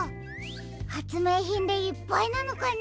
はつめいひんでいっぱいなのかな？